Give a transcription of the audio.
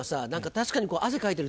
確かに汗かいてる。